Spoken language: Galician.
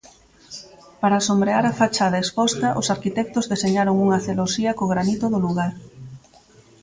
Para sombrear a fachada exposta os arquitectos deseñaron unha celosía co granito do lugar.